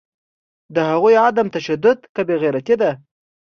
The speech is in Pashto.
د هغوی عدم تشدد که بیغیرتي ده